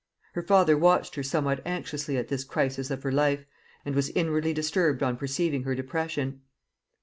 Her father watched her somewhat anxiously at this crisis of her life, and was inwardly disturbed on perceiving her depression.